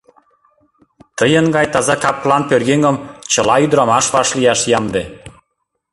— Тыйын гай таза кап-кылан пӧръеҥым чыла ӱдырамаш вашлияш ямде.